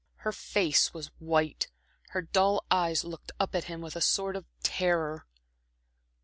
Her face was white, her dull eyes looked up at him with a sort of terror.